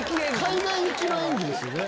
海外行きの演技ですよね。